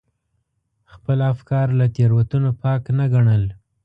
خپل افکار له تېروتنو پاک نه ګڼل.